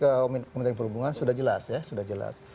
menjadi ke kementerian perhubungan sudah jelas ya sudah jelas